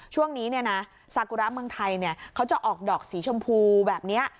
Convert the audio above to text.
ช่วงนี้เนี่ยนะสากุระเมืองไทยเนี่ยเขาจะออกดอกสีชมพูแบบเนี้ย